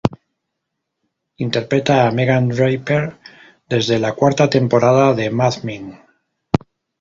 Interpreta a Megan Draper, desde la cuarta temporada de "Mad Men".